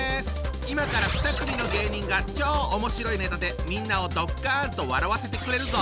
今から２組の芸人が超おもしろいネタでみんなをドッカンと笑わせてくれるぞ！